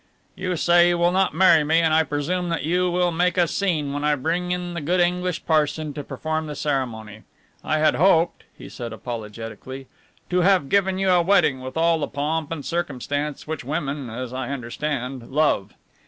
"You say you will not marry me and I presume that you would make a scene when I bring in the good English parson to perform the ceremony. I had hoped," he said apologetically, "to have given you a wedding with all the pomp and circumstance which women, as I understand, love.